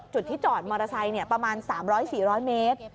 จุดที่จอดมอเตอร์ไซค์ประมาณ๓๐๐๔๐๐เมตร